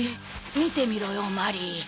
見てみろよマリー。